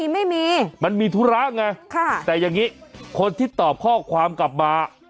ไม่มีมันมีธุระไงแต่อย่างนี้คนที่ตอบข้อความกลับมา